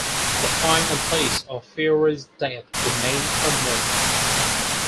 The time and place of Fiore's death remain unknown.